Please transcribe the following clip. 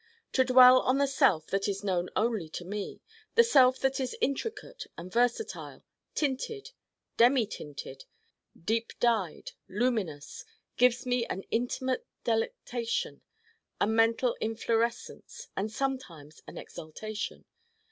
To dwell on the self that is known only to me the self that is intricate and versatile, tinted, demi tinted, deep dyed, luminous, gives me an intimate delectation, a mental inflorescence and sometimes an exaltation.